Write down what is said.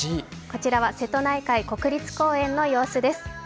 こちらは瀬戸内海国立公園の様子です。